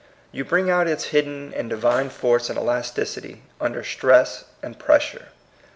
You bring out its hidden and divine force and elasticity under stress and pressure.